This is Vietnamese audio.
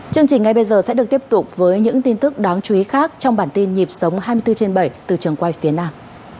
chương trình ngay bây giờ sẽ được tiếp tục với những tin tức đáng chú ý khác trong bản tin nhịp sống hai mươi bốn trên bảy từ trường quay phía nam